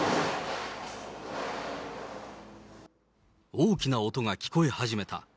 大きな音が聞こえ始めた。